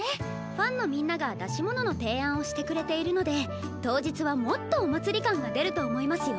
ファンのみんなが出し物の提案をしてくれているので当日はもっとお祭り感が出ると思いますよ。